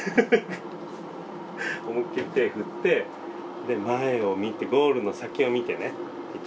思いっきり手振ってで前を見てゴールの先を見てねいっ